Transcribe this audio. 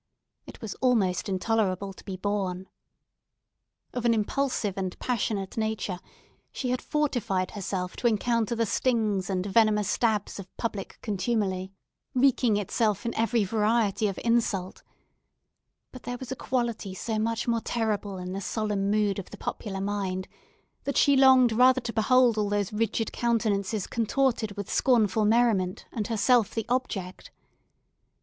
It was almost intolerable to be borne. Of an impulsive and passionate nature, she had fortified herself to encounter the stings and venomous stabs of public contumely, wreaking itself in every variety of insult; but there was a quality so much more terrible in the solemn mood of the popular mind, that she longed rather to behold all those rigid countenances contorted with scornful merriment, and herself the object.